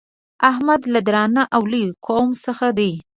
احمد له درانه او لوی قوم څخه دی.